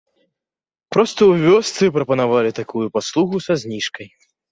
Проста ў вёсцы прапанавалі такую паслугу са зніжкай.